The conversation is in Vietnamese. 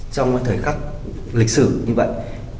trong cái thời khắc lịch sử như vậy